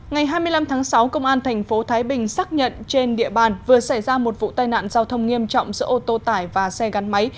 ngày hai mươi năm tháng sáu công an tp thái bình xác nhận trên địa bàn vừa xảy ra một vụ tai nạn giao thông nghiêm trọng giữa ô tô tải và xe gắn máy